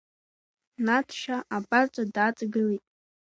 Надшьа абарҵа дааҵагылеит.